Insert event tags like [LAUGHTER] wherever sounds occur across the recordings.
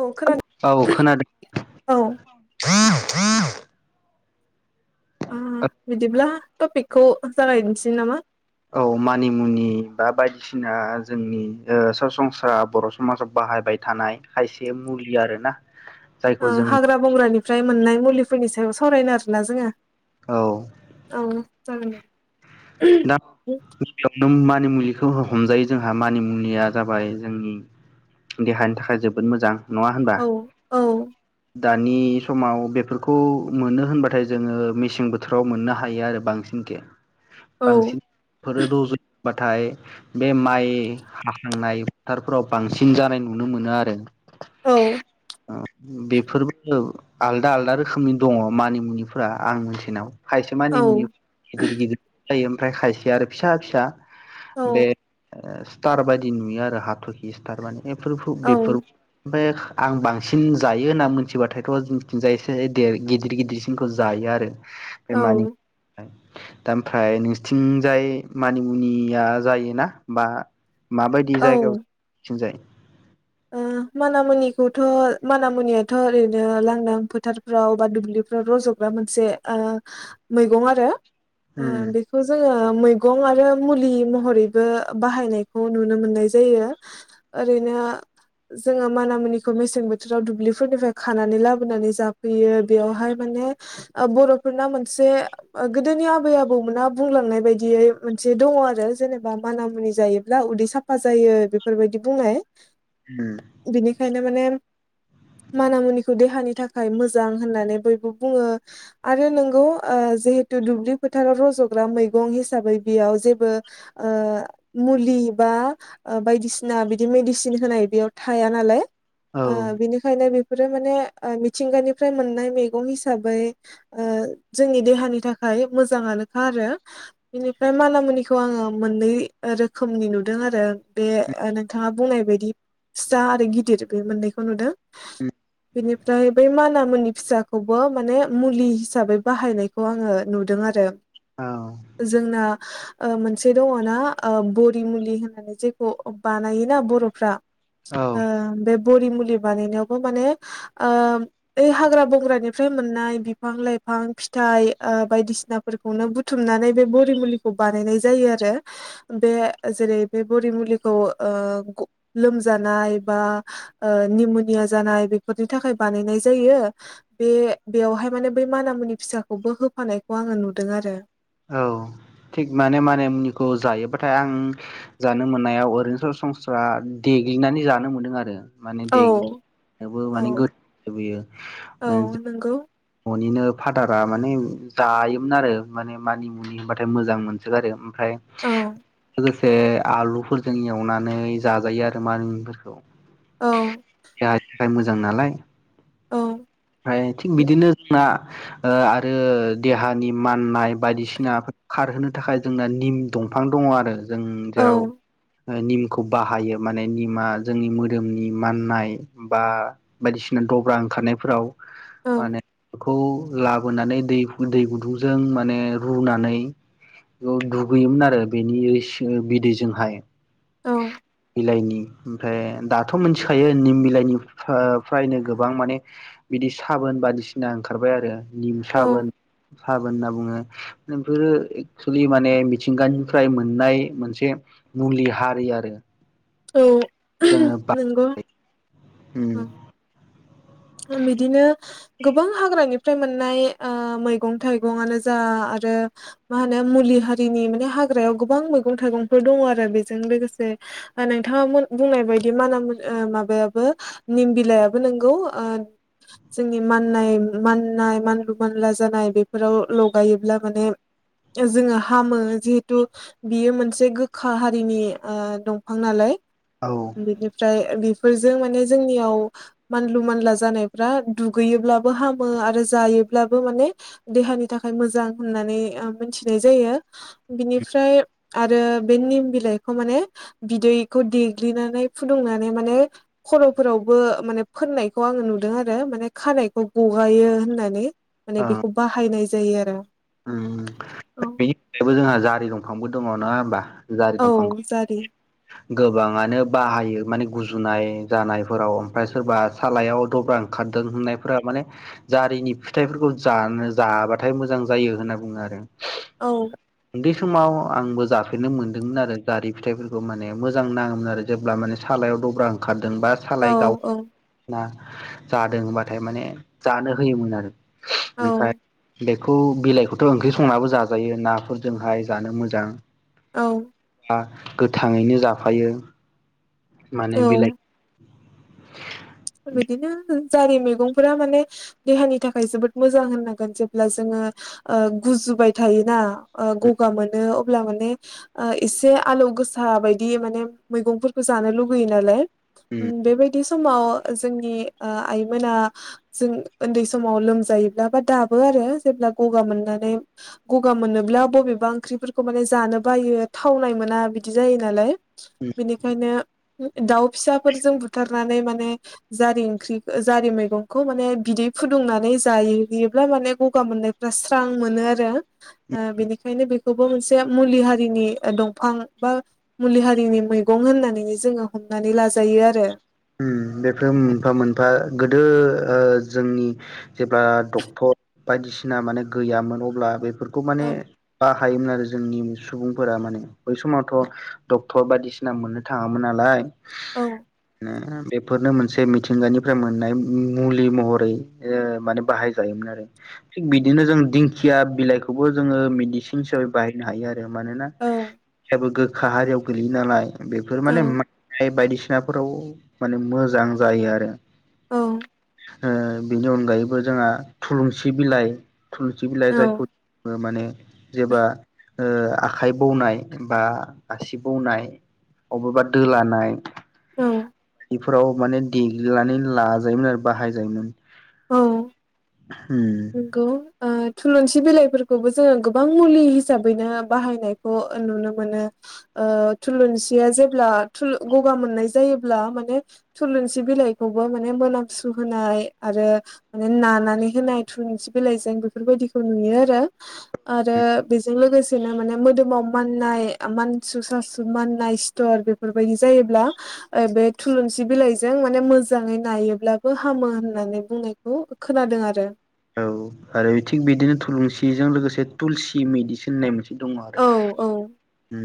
औ खोनादों हेलौ, औ खोनादों। औ अ बिदिब्ला टपिकखौ जागायनोसै नामा? औ मानिमुनि बा बायदिसिना जोंनि ओ सरासनस्रा बर' समाजाव बाहायबाय थानाय खायसे मुलि आरोना ओ जायखौ जों हाग्रा बंग्रानिफ्राय मोननाय मुलिफोरनि सायाव सावरायगोन आरोना जोङो। औ। औ जागोन दे दा [UNINTELLIGIBLE] मानि मुलिखौ हमजायो जोंहा मानि मुनिया जाबाय जोंनि देहानि थाखाय जोबोद मोजां नङा होनबा? औ औ दानि समाव बेफोरखौ मोनो होनबाथाय जोङो मेसें बोथोराव मोननो हायो आरो बांसिनखे औ बांसिन फोरो रजयो बाथाय बे माइ हाखांनाय फोथारफोराव बांसिन जानाय नुनो मोनो आरो औ बेफोरबो आलदा आलदा रोखोमनि दङ मानिमुनिफोरा आं मिथिनायाव खायसे मानिमुनि गिदिर गिदिर थायो ओमफ्राय खायसे आरो फिसा फिसा बे स्टार बायदि नुयो आरो हाथरखि स्टार माने बेफोरखौ औ बेफोर ओमफ्राय आं बांसिन जायो होनना मिथिबाथायथ' जोंनिथिजाय एसे देर गिदिर गिदिरसिनखौ जायो आरो बे औ मानि दा थाय नोंसोरथिंजाय मानिमुनिया जायोना बा? माबायदि ओ जायगायाव थिंजाय मानामुनिखौथ' मानामुनियाथ' ओरैनो लांदां फोथार फ्राव बा दुब्लिफ्राव रज'ग्रा मोनसे ओ मैगं आरो उ उम बे खौ जोङो मैगं आरो मुलि महरैबो बाहायनायखौ नुनो मोननाय जायो ओरैनो जोङो मानामुनिखौ मेसें बोथोराव दुब्लिफोरनिफ्राय खानानै लाबोनानै जाफैयो बेयावहाय माने बर'फोरना मोनसे गोदोनि आबै आबौमोना बुंलांनाय बायदियै मोनसे दङ आरो जेनेबा मानामुनि जायोब्ला उदै साब फा जायो बेफोरबायदि बुंनाय उम बिनिखायनो माने मानामुनिखौ देहानि थाखाय मोजां होननानै बयबो बुङो आरो नोंगौ ओ जिहेथु दुब्लि फोथाराव रज'ग्रा मैगं हिसाबै बेयाव जेबो ओ मुलि बा ओ बायदिसिना बिदि मेडिसिन होनाय बेयाव थाया नालाय औ ओ बिनिखायनो बेफोरो माने मिथिंगानिफ्राय मोननाय मैगं हिसाबै ओ जोंनि देहानि थाखाय मोजाङानोखा आरो बेनिफ्राय मानामुनिखौ आङो मोननै रोखोमनि नुदों आरो बे ओ नो थाङा बुंनाय बायदि फिसा आरो गिदिर बे मोनैखौ नुदो [UNINTELLIGIBLE] बेनिफ्राय बे माना मुनि फिसाखौबो माने मुलि हिसाबै बाहायनायखौ आङो नुदों आरो औ जोंना ओ मोनसे दङ ना ओ बरि मुलि होननानै जेखौ बानायोना बर'फ्रा ओ औ बे बरि मुलि बानायनायावबो माने ओ बै हाग्रा बंग्रानिफ्राय मोननाय बिफां लाइफां फिथाइ ओ बायदिसिना फोरखौनो बुथुमनानै बे बरि मुलिखौ बानायनाय जायो आरो बे जेरै बे बरि मुलिखौ ओ ग लोमजानाय बा ओ निम'निया जानाय बेफोरनि थाखाय बानायनाय जायो बे बेवहाय माने बे मानामुनि फिसाखौबो होफानायखौ आङो नुदों आरो। औ थिग माने माने मुनिखौ जायोबाथाय आं जानो मोननायाव ओरैनोथ संस्रा देग्लिनानै जानो मोनदों आरो। माने औ देगबो माने गोयो [UNINTELLIGIBLE] नोंगौ ननिनो फटारा माने जायोमोन आरो माने मानि मुनि होनबाथाय मोजां मोनसोगारो आरो ओमफ्राय औ लोगोसे आलुफोरजों एवनानै जाजायो आरो मानि मुनिफोरखौ औ जायखिया मोजां नालाय [UNINTELLIGIBLE] औ ओमफ्राय थिग बिदिनो जोंना ओ- ओ- देहानि माननाय बायदिसिना खारहोनो थाखाय जोंना निम दंफां दङ आरो जों जेराव औ निमखौ बाहायो माने निमा जोंनि मोदोमनि माननाय बा बायदिसिना दब्रा ओंखारनायफोराव औ माने बेखौ लाबोनानै दै दै गुदुंजों माने रुनानै बेयाव दुगैयोमोन आरो बेनि बिदैजोंहाय। औ बिलाइनि ओमफ्राय दाथ' मिथिखायो निम बिलाइनि फा-फ्रायनो गोबां माने बिदि साबोन बायदिसिना ओंखारबाय आरो निम औ साबोन साबोन होनना बुङो। नोंसोरो एक्सेलि माने मिथिंगानिफ्राय मोननाय मोनसे मुलि हा दै आरो औ जोङो बा नोंगौ उम। उम बिदिनो गोबां हाग्रानिफ्राय मोननाय ओ मैगं थाइगंआनो जा आरो मा होनो मुलि हारिनि माने हाग्रायाव गोबां मैगं थाइगंफोर दङ आरो बेजों लोगोसे नोंथाङा बुंनाय बायदि मा होनो ओ माबायाबो निम बिलाइयाबो नोंगौ। ओ जोंनि माननाय माननाय मानलु मानला जानाय बेफोराव लगायोब्ला माने जोङो हामो जिहेथु बियो मोनसे गोखा हारिनि ओ दंफां नालाय। औ ओ बेनिफ्राय बेफोरजों माने जोंनियाव मानलुु मानला जानायफ्रा दुगैयोब्लाबो हामो आरो जायोब्लाबो माने देहानि थाखाय मोजां होननानै ओ मिथिनाय जायो। बिनिफ्राय आरो बे निम बिलाइखौ माने बिदैखौ देग्लिनानै फुदुंनानै माने खर'फोरावबो माने फोननायखौ आङो नुदों आरो माने खानायखौ गगायो होननानै माने बेखौ बाहायनाय जायो आरो। उम औ बेनिबो जोंहा जारि दंफांबो दङ नङा होमबा? जारि औ दंफांखौ जारि गोबाङानो बाहायो माने गुजुनाय जानायफोराव ओमफ्राय सोरबा सालायाव दब्रां खारदों होननायफोरा माने जारिनि फिथाइफोरखौ जानो जाबाथाय मोजां जायो होनना बुङो आरो। औ उन्दै समाव आंबो जाफेरनो मोन्दोंमोन आरो जारि फिथाइफोरखौ माने मोजां नाङोमोन आरो जेब्ला माने सालायाव दब्रा ओंखारदों बा औ सालाय गाव औ ना- जादों होनबाथाय माने जानो होयोमोन आरो ओमफ्राय [INAUDIBLE] बेखौ बिलाइखौथ' ओंख्रि संनाबो जाजायो नाफोरजोंहाय जानो मोजां। औ। बा गोथाङैनो जाफायो माने औ बिलाइ [INAUDIBLE] बिदिनो जारि मैगंफोरा माने देहानि थाखाय जोबोद मोजां होननांगोन जेब्ला जोङो ओ गुजुबाय थायोना ओ गगा मोनो अब्ला माने ओ एसे आलौ गोसा बायदि माने मैगंफोरखौ जानो लुगैयो नालाय। उम बेबायदि समाव जोंनि ओ आइमोना जों ओन्दै समाव लोमजायोब्ला बा दाबो आरो जेब्ला गगा मोननानै गगा मोनोब्ला बबेबा ओंख्रिफोरखौ माने जानो बायो थावनाय मोना बिदि जायो नालाय। बेनिखायनो दाउ फिसाफोरजों बुथारनानै माने जारि ओंख्रि ओ जारि मैगंखौ माने बिदै फुदुंनानै जायोब्ला माने गगा मोननाय रा स्रां मोनो आरो ओ बेनिखायनो बे खौबो मोनसे मुलि हारिनि ओ दंफां बा मुलि हारिनि मैगं होननानैनो जोङो हमनानै लाजायो आरो। उम बेफोर मोनफा मोनफा गोदो ओ जोंनि जेब्ला डक्टर बायदिसिना माने गैयामोन अब्ला बेफोरखौ माने। औ बाहायोमोन आरो जोंनि सुबुंफोरा माने बै समावथ' डक्टर बायदिसिना मोननो थाङामोन नालाय। औ। ओ बेफोरनो मोनसे मिथिंगानिफ्राय मोननाय मुलि महरै ओ माने बाहायजायोमोन आरो। थिग बिदिनो जों दिंखिया बिलाइखौबो जोङो मेडिसिन हिसाबै बाहायनो हायो आरो मानोना औ याबो गोखा हारियाव गोलैयो नालाय। बेफोर औ माने [UNINTELLIGIBLE] बायदिसिनाफोराव माने मोजां जायो आरो। औ। ओ बिनि अनगायैबो जोंहा थुलुंसि बिलाइ। थुलुंसि बिलाइ औ जायखौ ओ माने जेबा ओ आखाइ बौनाय बा आसि बौनाय अबेबा दोलानाय। औ। इफोराव माने देग्लिनानै लाजायोमोन आरो बाहायजायोमोन। औ होम। नंगौ आ थुलुंसि बिलाइफोरखौबो जोङो गोबां मुलि हिसाबैनो बाहायनाय खौ नुनो मोनो। ओ थुलुंसिया जेब्ला थुलु गगा मोननाय जायोब्ला माने थुलुंसि बिलाइखौबो माने मोनामसु होनाय आरो माने नानानै होनाय थुलुंसि बिलाइजों बेफोरबायदिखौ नुयो आरो। आरो बेजों लोगो सेनो माने मोदोमाव माननाय आ मानसु सासु माननाय सिथर बेफोरबायदि जायोब्ला ओ बे थुलुंसि बिलाइजों माने मोजाङै नायोब्लाबो हामो होन नानै बुंनायखौ खोनादों आरो। औ आरो थिग बिदिनो थुलुंसिजों लोगोसे तुलसि मेदिसिन होननाय मोनसे दं आरो औ औ ओम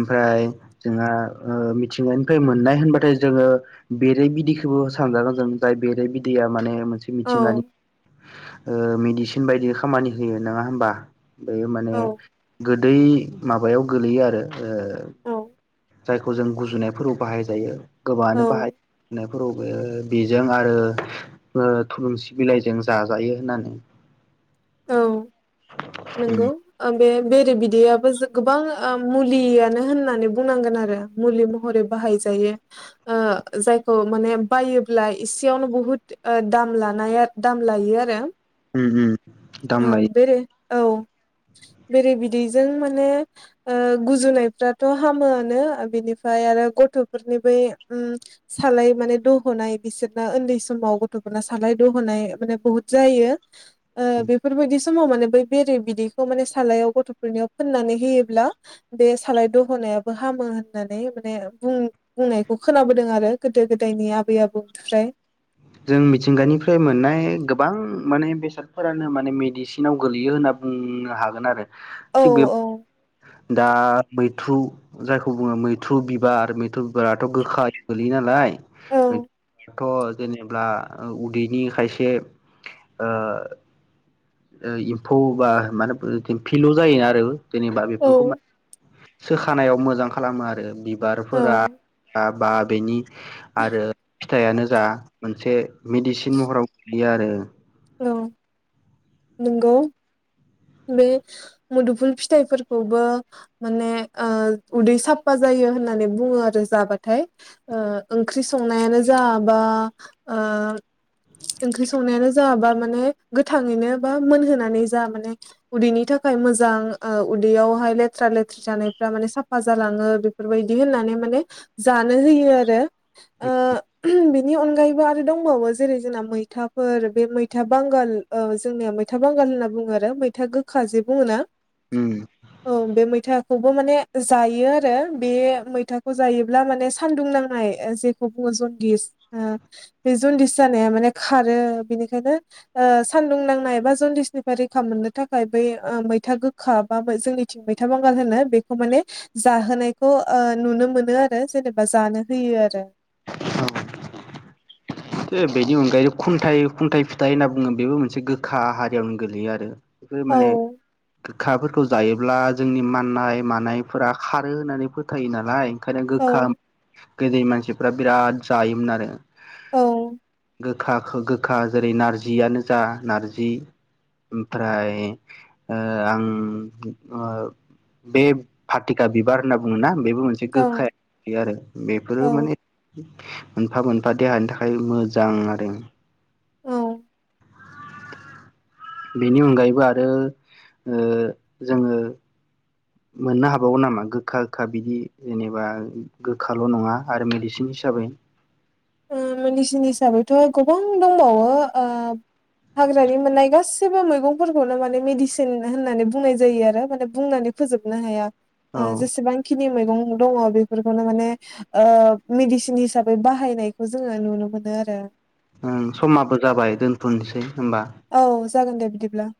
ओमफ्राय जोंहा ओ मिथिंगानिफ्राय मोननाय होनबाथाय जोङो बेरै बिदैखोबो सानजागोन जों जाय बेरै बिदैया माने मोनसे औ मिथिंगानि ओ मेडिसिन बायदि खामानि होयो नङा होमबा बेयो माने औ गो दै माबायाव गोलैयो आरो ओ औ जायखौ जों गुजुनायफोराव बाहायजायो गोबाङानो बाहाय औ नायफोराव ओ बेजों आरो ओ थुलुंसि बिलाइजों जाजायो होननानै [INAUDIBLE] औ नंगौ। उम ओं बे बेरे बिदैआबोजो गोबां ओ मुलियानो होननानै बुंनांगोन आरो। मुलि महरै बाहाय जायो। ओ जायखौ माने बायोब्ला एसेयावनो बुहुद ओ दाम लानाया दाम लायो आरो उम उम दाम ओं लायो बेे [INAUDIBLE] बेरे बिदैजों माने ओ गुजुनायफ्राथ' हामोआनो बिनिफ्राय आरो गथ'फोरनि उम सालाय माने दह'नाय बिसोरना उन्दै समाव गथ'फोरना सालाय दह'नाय माने बुहुत जायो। ओ बेफोरबायदि समाव माने बै बेरे बिदैखौ माने सालायाव गथ'फोरनियाव फोननानै होयोब्ला बे सालाय दहनायाबो हामो होननानै माने बुं बुंनायखौ खोनाबोदों आरो गोदो गोदायनि आबै आबौनिफ्राय। जों मिथिंगानिफ्राय मोननाय गोबां माने बेसादफोरानो माने मेडिसिनाव गोलैयो होनना उम हागोन आरो औ थिग बे दा मैथ्रु जायखौ बुङो मैथ्रु बिबार मैथ्रु फोराथ' गोखा [INAUDIBLE] गोलैयो नालाय [INAUDIBLE] औ थ' जेनोब्ला उदैनि खायसे ओ ओ एम्फौ बा मानेबो थम फिल' जायोना आरो जेनेबा औ बेफोरखौ मा सोखानायाव मोजां खालामो आरो औ बिबारफोरा बा बेनि आरो फिथाइआनो जा मोनसे मेडिसिन महराव दि आरो औ नंगौ। बे मोदुफुल फिथाइफोरखौबो माने ओ उदै साफा जायो होननानै बुङो आरो जाबाथाय। ओ ओंख्रि संनायानो जा बा ओ ओंख्रि संनायानो जा बा माने गोथाङैनो बा मोनहोनानै जा माने उदैनि थाखाय मोजां ओ उदैयावहाय लेथ्रा लेथ्रा जानायफ्रा माने साफा जालाङो। बेफोरबायदि होननानै माने जानो होयो आरो ओ [UNINTELLIGIBLE] बिनि अनगायैबो आरो दंबावो जेरै जोंना मैथाफोर बे मैथा बांगाल औ जोंनिया मैथा बांगाल होनना बुङो आरो मैथा गोखा जे बुङो ना। उम औ बे मैथाखौबो माने जायो आरो बे मैथाखौ जायोब्ला माने सान्दुं नांनाय ए जेखौ बुङो जन्दिज ओम बे जन्दिस जानाया माने खारो बेनिखायनो ओ सान्दुं नांनाय बा जन्दिसनिफ्राय रैखा मोननो थाखाय बै ओ मैथा गोखा बा जोंनिथिं मैथा बांगाल होनो बेखौ माने जाहोनायखौ ओ नुनो मोनो आरो जेनेबा जानो होयो आरो ओ बेनि अनगायैबो खुन्थाइ खुन्थायाइ फिथाइ होनना बुङो बेबो मोनसे गोखा हारियावनो गोलैयो आरो बेफोरो औ माने गोखाफोरखौ जायोब्ला जोंनि माननाय मानायफोरा खारो होननानै फोथायो नालाय ओंखायनो औ गोखा गोदोनि मानसिफ्रा बिराद जायोमोन आरो औ गोखाखो गोखा जेरै नारजियानो जा नारजि ओमफ्राय ओ आं ओ बे फाथिखा बिबार होनना बुङोना बेबो मोनसे गोखा औ आरो बेफोरो औ माने मोनफा मोनफा देहानि थाखाय फ्राय मोजां आरो औ बेनि अनगायैबो आरो ओ जोङो। मोननो हाबावो नामा गोखा गोखा बिदि जेनेबा गोखाल' नङा आरो मेडिसिन हिसाबै। ओ मेदिसिन हिसाबैथ' गोबां दंबावो ओ हाग्रानि मोननाय गाससिबो मैगंफोरखौनो माने मेडिसिन होननानै बुंनाय जायो आरो माने बुंनानै फोजोबनो हाया औ ओ जेसेबां खिनि मैगं दङ बेफोरखौनो माने ओ मेडिसिन हिसाबै बाहायनाय खौ जोङो नुनो मोनो आरो ओ समाबो जाबाय दोनथ'नोसै होमबा औ जागोन दे बिदिब्ला